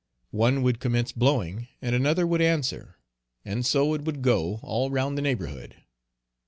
One would commence blowing and another would answer, and so it would go all round the neighborhood.